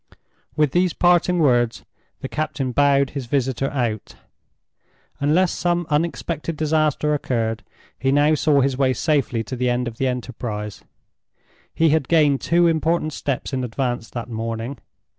With these parting words, the captain bowed his visitor out. Unless some unexpected disaster occurred, he now saw his way safely to the end of the enterprise. He had gained two important steps in advance that morning.